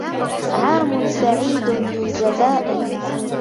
عام سعيد للجزائر.